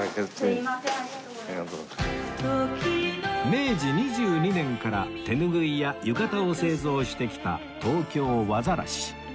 明治２２年から手ぬぐいや浴衣を製造してきた東京和晒